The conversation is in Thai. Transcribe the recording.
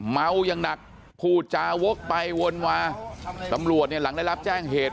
เม้ายังหนักภูจาวกไปวนวาตำรวจหลังได้รับแจ้งเหตุ